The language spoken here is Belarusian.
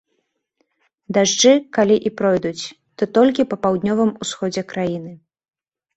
Дажджы, калі і пройдуць, то толькі па паўднёвым усходзе краіны.